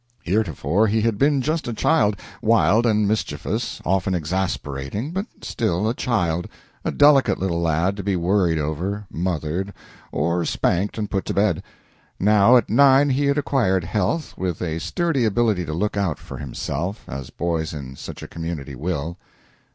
Heretofore he had been just a child wild and mischievous, often exasperating, but still a child a delicate little lad to be worried over, mothered, or spanked and put to bed. Now at nine he had acquired health, with a sturdy ability to look out for himself, as boys in such a community will.